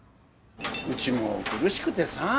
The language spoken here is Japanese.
うちも苦しくてさぁ。